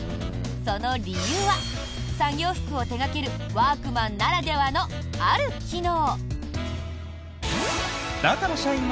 その理由は、作業服を手掛けるワークマンならではのある機能。